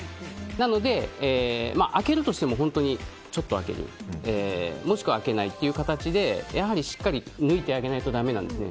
なので、開けるとしてもちょっと開けるもしくは開けないという形でしっかり抜いてあげないとだめです。